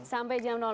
sampai jam